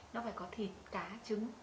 nó phải có thịt cá trứng